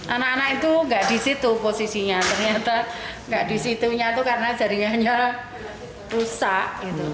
anak anak itu nggak disitu posisinya ternyata nggak disitunya itu karena jaringannya rusak